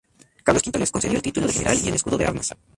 Carlos V le concedió el título de general y el escudo de armas.